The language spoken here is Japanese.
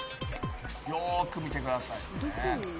よく見てくださいね。